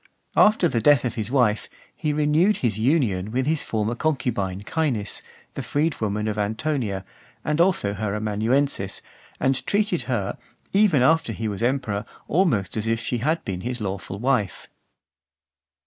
After the death of his wife, he renewed his union with his former concubine Caenis, the freedwoman of Antonia, and also her amanuensis, and treated her, even after he was emperor, almost as if she had been his lawful wife.